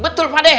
betul pak dek